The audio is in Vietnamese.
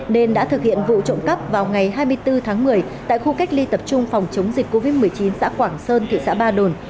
nên đã thực hiện vụ trộm cắp vào ngày hai mươi bốn tháng một mươi tại khu cách ly tập trung phòng chống dịch covid một mươi chín xã quảng sơn thị xã ba đồn